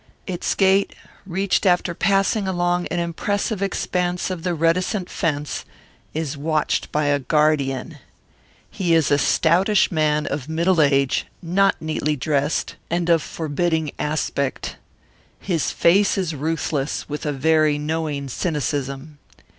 Its gate, reached after passing along an impressive expanse of the reticent fence, is watched by a guardian. He is a stoatish man of middle age, not neatly dressed, and of forbidding aspect. His face is ruthless, with a very knowing cynicism.